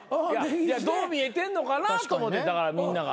いやどう見えてんのかなと思ってみんなが。